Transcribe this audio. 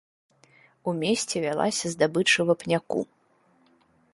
У месце вялася здабыча вапняку.